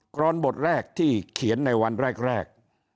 รอนบทแรกที่เขียนในวันแรก